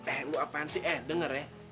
eh lu apaan sih eh denger ya